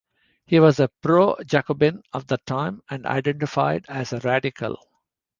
He was a pro-Jacobin of that time, and identified as a Radical.